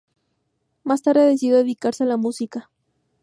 Más tarde decidió dedicarse a la música.